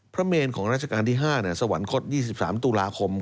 เมนของราชการที่๕สวรรคต๒๓ตุลาคม